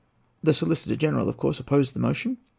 The Solicitor General of course opposed the motion.